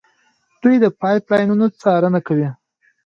دوی د پایپ لاینونو څارنه کوي.